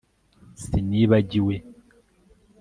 sinibagiwe